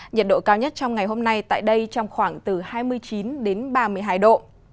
nhiệt độ cao nhất trong ngày hôm nay tại đây trong khoảng từ hai mươi chín đến ba mươi hai độ